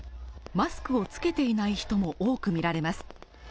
マスクをつけていない人も多く見られます。